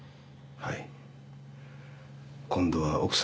はい。